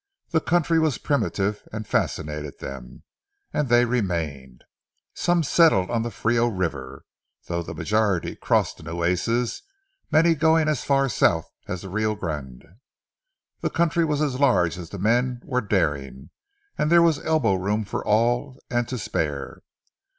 The country was primitive and fascinated them, and they remained. Some settled on the Frio River, though the majority crossed the Nueces, many going as far south as the Rio Grande. The country was as large as the men were daring, and there was elbow room for all and to spare.